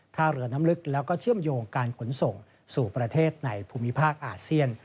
ท่าเรือน้ำลึกแล้วก็เชื่อมโยงการขนส่งสู่ประเทศในภูมิภาคอาเซียน